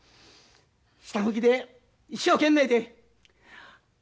ひたむきで一生懸命で。